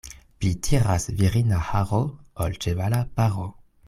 Pli tiras virina haro, ol ĉevala paro.